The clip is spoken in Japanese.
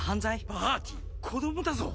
バーティ子供だぞ？